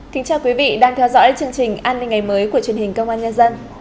kính chào quý vị đang theo dõi chương trình an ninh ngày mới của truyền hình công an nhân dân